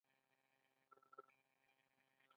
دوی له چین څخه راغلي وو